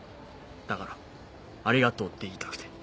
だからありがとうって言いたくて。